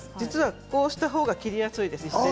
こうした方が切りやすいです。